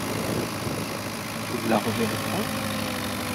Vous ne la reverrez point?